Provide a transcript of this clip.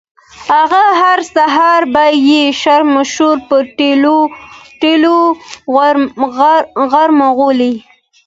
هغه هر سهار به یې د شرشمو په تېلو غوړولې.